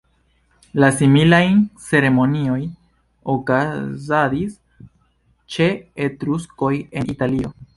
La similajn ceremonioj okazadis ĉe Etruskoj en Italio.